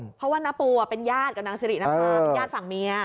เพราะว่าน้าปูเป็นญาติกับนางสิรินภาเป็นญาติฝั่งเมีย